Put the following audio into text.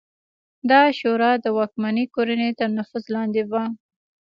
دا شورا د واکمنې کورنۍ تر نفوذ لاندې وه